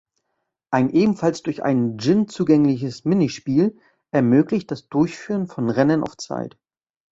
Ein ebenfalls durch einen Dschinn zugängliches Minispiel ermöglicht das Durchführen von Rennen auf Zeit.